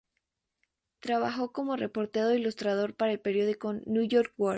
Trabajó como reportero e ilustrador para el periódico New York World.